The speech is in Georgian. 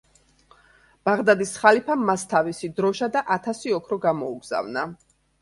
ბაღდადის ხალიფამ მას თავისი დროშა და ათასი ოქრო გამოუგზავნა.